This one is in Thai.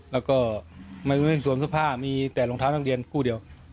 แล้วก็ไม่มีในส่วนสภาพมีแต่ลองเท้าทางแด่นคู่เดียว